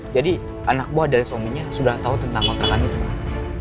jadi anak buah dari suaminya sudah tahu tentang kontrakanmu pak